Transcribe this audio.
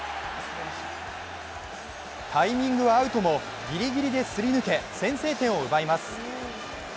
タイミングはアウトも、ぎりぎりですり抜け先制点を奪います。